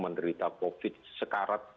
menderita covid sekarat